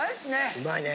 うまいね。